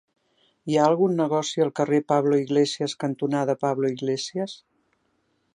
Hi ha algun negoci al carrer Pablo Iglesias cantonada Pablo Iglesias?